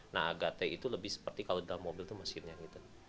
nah agate itu lebih seperti kalau dalam mobil itu mesinnya gitu